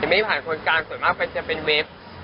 ไม่ผ่านโครงการส่วนมากจะเป็นเว็บ